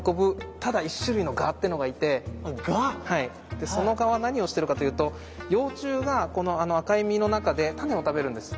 でその蛾は何をしてるかというと幼虫がこの赤い実の中で種を食べるんです。